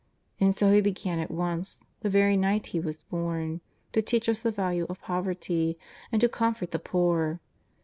And so He began at once, the very night He was born, to teach us the value of poverty, and to com fort the poor.